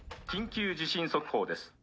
緊急地震速報です